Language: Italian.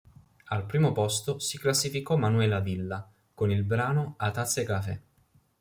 Al primo posto si classificò Manuela Villa con il brano "A tazza e cafè".